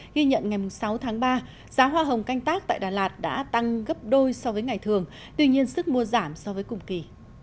ghi nhận ngày sáu tháng ba giá hoa hồng canh tác tại đà lạt đã tăng gấp đôi so với ngày thường tuy nhiên sức mua giảm so với cùng kỳ